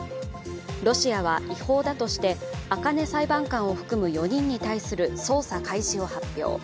ロシアは違法だとして赤根裁判官を含む４人に対する捜査開始を発表。